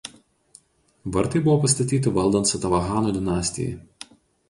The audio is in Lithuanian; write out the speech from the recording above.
Vartai buvo pastatyti valdant Satavahanų dinastijai.